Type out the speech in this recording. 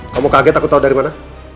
kamu kaget aku tahu dari mana